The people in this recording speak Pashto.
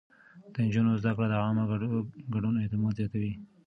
د نجونو زده کړه د عامه ګډون اعتماد زياتوي.